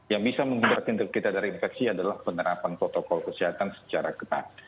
yang bisa menggunakan kita dari infeksi adalah penerapan protokol kesehatan secara ketat